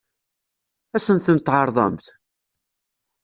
Ad sen-tent-tɛeṛḍemt?